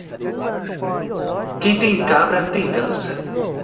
Quem tem cabra tem dança.